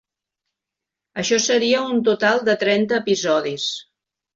Això seria un total de trenta episodis.